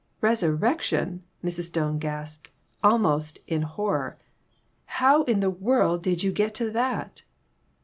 " Resurrection !" Mrs. Stone gasped, almost in horror. " How in the world did you get to that